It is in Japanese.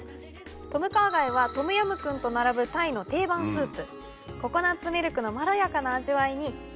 トムカーガイはトムヤムクンと並ぶタイの定番スープ。